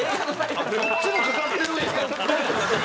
どっちもかかってるんや。